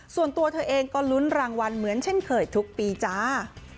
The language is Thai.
ส่วนตัวเธอเองก็ลุ้นรางวัลเหมือนเช่นเคยทุกปีจ้า